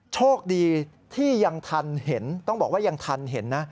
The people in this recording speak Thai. โชคดีที่ยังทันเห็นต้องบอกว่ายังทันเห็นนะ